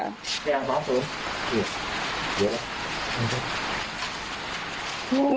แก่หวานผม